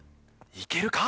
いけるか？